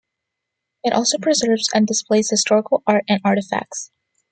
It also preserves and displays historical art and artifacts.